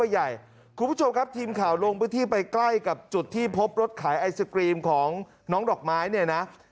หุ่นถึงที่พบรถขายไอศครีมของน้องดอกไม้